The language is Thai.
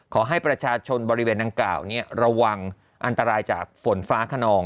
ขอให้ประชาชนบริเวณดังกล่าวระวังอันตรายจากฝนฟ้าขนอง